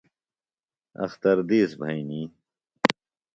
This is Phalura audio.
اختر دِیس بھئنی۔